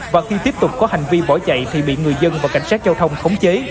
và khi tiếp tục có hành vi bỏ chạy thì bị người dân và cảnh sát giao thông khống chế